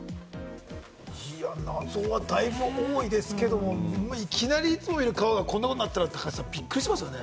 謎はだいぶ多いですけど、いきなり川がこんな色になったらびっくりしますよね？